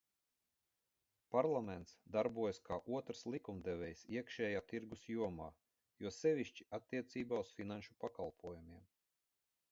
Parlaments darbojas kā otrs likumdevējs iekšējā tirgus jomā, jo sevišķi attiecībā uz finanšu pakalpojumiem.